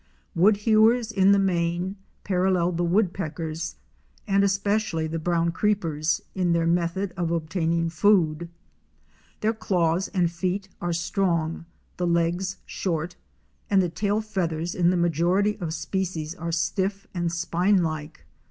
Woodhewers in the main parallel the Woodpeckers, and especially the Brown Creepers, in their method of obtaining food. Their claws and feet are strong, the legs short, and the tail feathers in the majority of species are stiff and spine like.